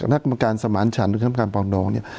นักบังการสมาร์ตฉันนักบังการปองดองเนี่ย